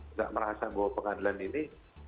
nggak merasa bahwa pengadilan ini